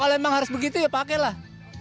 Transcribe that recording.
ya kalau memang harus begitu ya pakai lah